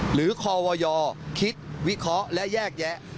หรือคอวยคิดวิเคราะห์และแยกแยะ